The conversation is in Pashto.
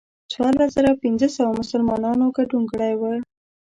څوارلس زره پنځه سوه مسلمانانو ګډون کړی و.